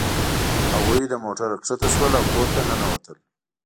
هغوی له موټر ښکته شول او کور ته ننوتل